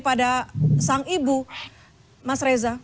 yang terjadi pada sang ibu mas reza